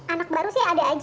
anak baru sih ada aja